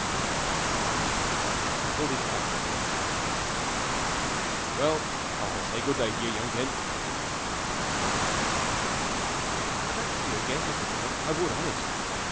He rose and pulled his cap down over his eyes. "Well, I'll say good day to yer, young gent." William looked at him wistfully. "I'd like to see you again, Mr. Blank, I would, honest.